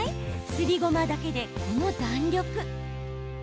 すりごまだけで、この弾力。